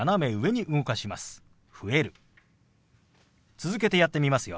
続けてやってみますよ。